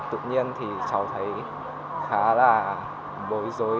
tự nhiên thì cháu thấy khá là bối rối